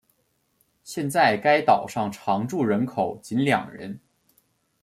现在该岛上常住人口仅两人。